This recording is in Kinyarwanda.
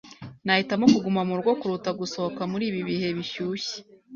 Nahitamo kuguma murugo kuruta gusohoka muri ibi bihe bishyushye.